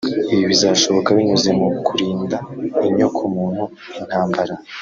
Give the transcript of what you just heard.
Ibi bizashoboka binyuze mu kurinda inyoko-muntu intambara